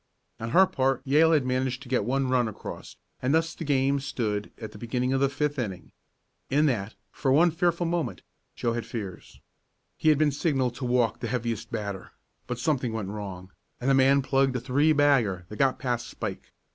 On her part Yale had managed to get one run across, and thus the game stood at the beginning of the fifth inning. In that, for one fearful moment, Joe had fears. He had been signalled to walk the heaviest batter, but something went wrong, and the man plugged a three bagger that got past Spike.